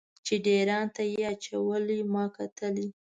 چې ډیر ان ته یې اچولې ما کتلی.